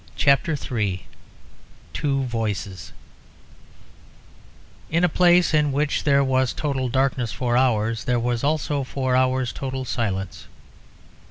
CHAPTER III Two Voices In a place in which there was total darkness for hours, there was also for hours total silence.